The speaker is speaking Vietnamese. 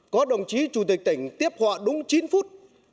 có đồng chí chủ tịch tỉnh tiếp họa đúng chín phút